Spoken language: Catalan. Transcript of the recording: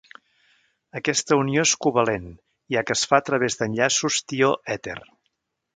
Aquesta unió és covalent, ja que es fa a través d'enllaços tioèter.